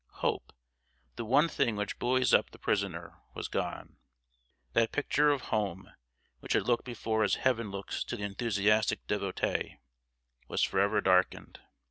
Hope the one thing which buoys up the prisoner was gone. That picture of home, which had looked before as heaven looks to the enthusiastic devotee, was forever darkened.